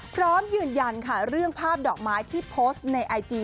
พร้อมยืนยันค่ะเรื่องภาพดอกไม้ที่โพสต์ในไอจี